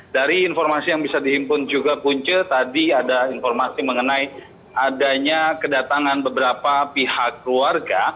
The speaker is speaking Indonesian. dari informasi yang bisa dihimpun juga punce tadi ada informasi mengenai adanya kedatangan beberapa pihak keluarga